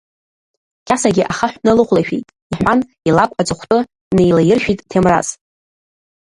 Кьасагьы ахаҳә налыхәлашәеит, — иҳәан, илакә аҵыхәтәы неилаиршәит Ҭемраз.